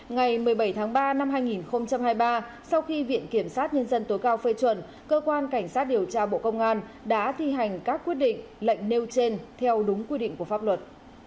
ngày một mươi bảy tháng ba năm hai nghìn hai mươi ba sau khi viện kiểm sát nhân dân tối cao phê chuẩn cơ quan cảnh sát điều tra bộ công an đã thi hành các quyết định lệnh nêu trên theo đúng quy định của pháp luật